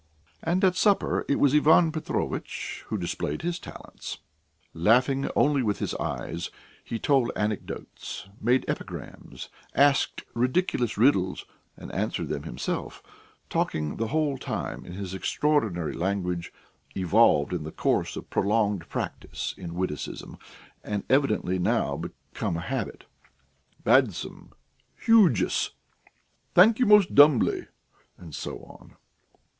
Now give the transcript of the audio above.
And at supper it was Ivan Petrovitch who displayed his talents. Laughing only with his eyes, he told anecdotes, made epigrams, asked ridiculous riddles and answered them himself, talking the whole time in his extraordinary language, evolved in the course of prolonged practice in witticism and evidently now become a habit: "Badsome," "Hugeous," "Thank you most dumbly," and so on.